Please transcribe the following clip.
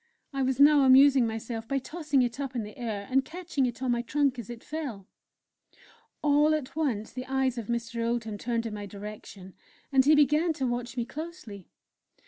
I was now amusing myself by tossing it up in the air, and catching it on my trunk as it fell. All at once the eyes of Mr. Oldham turned in my direction, and he began to watch me closely.